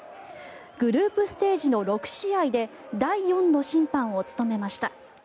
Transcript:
グループステージの６試合で第４の審判を務めました。